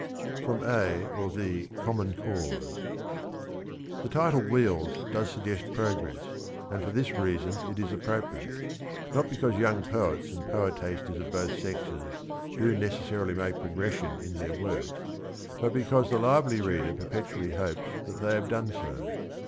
FROM A {OR THE) COMMON CAUSE. The title " Wheels " does suggest progress, and for this reason it is appropriate, not because young poets and poetasters of both sexes do necessarily make progression in their work, but because the lively reader perpetually hopes that they have done so.